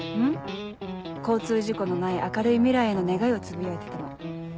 交通事故のない明るい未来への願いをつぶやいてたの。